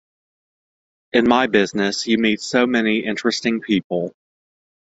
In my business, you meet so many "interesting people".